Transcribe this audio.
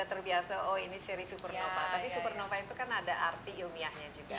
tapi supernova itu kan ada arti ilmiahnya juga